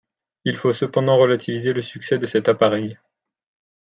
Il faut cependant relativiser le succès de cet appareil.